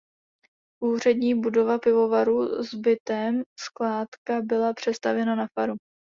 Úřední budova pivovaru s bytem skládka byla přestavěna na faru.